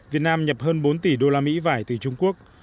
việt nam nhập hơn bốn tỷ đô la mỹ vải từ trung quốc